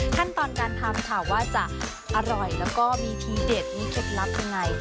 ขั้นตอนการทำค่ะว่าจะอร่อยแล้วก็มีทีเด็ดมีเคล็ดลับยังไง